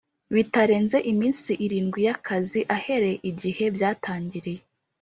bitarenze iminsi irindwi y akazi ahereye igihe byatangiriye